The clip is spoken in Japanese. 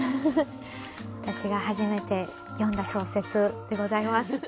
私が初めて読んだ小説でございます。